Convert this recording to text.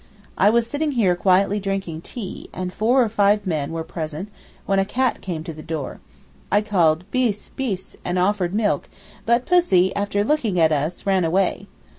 I was sitting here quietly drinking tea, and four or five men were present, when a cat came to the door. I called 'biss, biss,' and offered milk, but pussy, after looking at us, ran away.